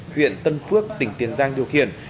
huyện tân phước tỉnh tiền giang điều khiển